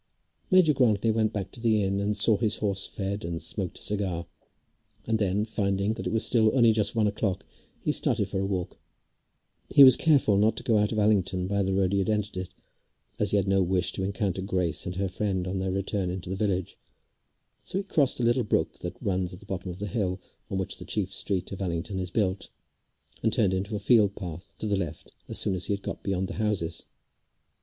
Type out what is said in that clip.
Major Grantly went back to the inn and saw his horse fed, and smoked a cigar, and then, finding that it was still only just one o'clock, he started for a walk. He was careful not to go out of Allington by the road he had entered it, as he had no wish to encounter Grace and her friend on their return into the village; so he crossed a little brook which runs at the bottom of the hill on which the chief street of Allington is built, and turned into a field path to the left as soon as he had got beyond the houses.